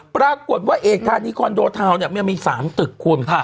ปรากฏว่าเอกธานีคอนโดทาวน์เนี่ยมันมี๓ตึกคุณ